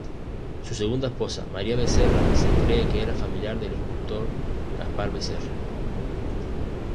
Su segunda esposa, María Becerra, se cree que era familiar del escultor Gaspar Becerra.